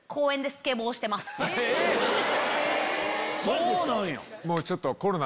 えっそうなんや！